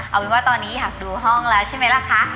เอาเป็นว่าตอนนี้อยากดูห้องแล้วใช่ไหมล่ะคะ